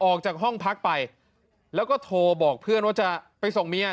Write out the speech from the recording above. ออกจากห้องพักไปแล้วก็โทรบอกเพื่อนว่าจะไปส่งเมีย